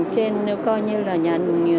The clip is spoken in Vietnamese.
trên coi như là nhà